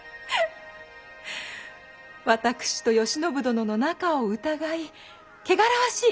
私と慶喜殿の仲を疑い「汚らわしい！」。